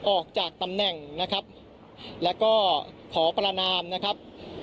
ออกจากตำแหน่งนะครับแล้วก็ขอประนามนะครับ